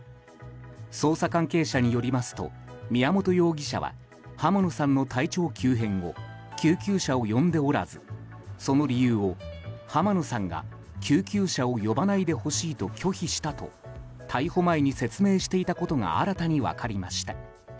捜査関係者によりますと宮本容疑者は浜野さんの体調急変後救急車を呼んでおらずその理由を、浜野さんが救急車を呼ばないでほしいと拒否したと逮捕前に説明していたことが新たに分かりました。